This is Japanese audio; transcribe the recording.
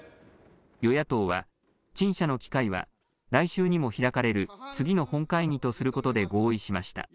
与野党は、陳謝の機会は来週にも開かれる次の本会議とすることで合意しました。